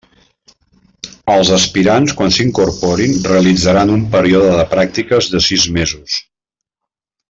Els aspirants quan s'incorporin realitzaran un període de pràctiques de sis mesos.